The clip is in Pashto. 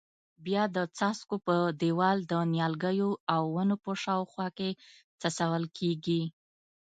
بیا د څاڅکو په ډول د نیالګیو او ونو په شاوخوا کې څڅول کېږي.